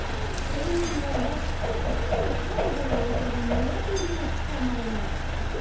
「しょうねんはやっときんのタンゴをおどるニワトリをつかまえました」。